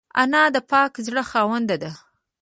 انا د پاک زړه خاونده ده